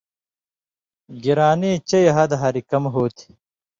گِرانی چئ حدہ ہاریۡ کم ہُوئ تھی۔